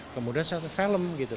kemudian saya film gitu